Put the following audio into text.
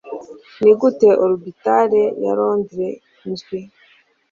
Nigute Orbital ya Londres Nzwi